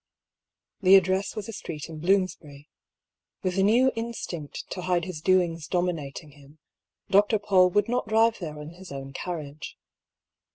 The address was a street in Bloomsbury. With the new instinct to hide his doings dominating him, Dr. Paul! would not drive there in his own car riage.